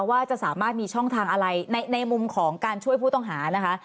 ว่าจะสามารถมีช่องทางอะไรในมุมของการช่วยผู้ต้องหานะคะ